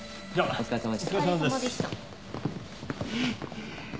お疲れさまでした。